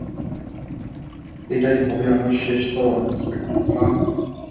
এটাই হবে আমার শেষ চাওয়া, ইন্সপেক্টর খান।